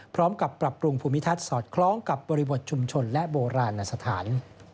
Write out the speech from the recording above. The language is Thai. ปรับปรุงภูมิทัศน์สอดคล้องกับบริบทชุมชนและโบราณสถาน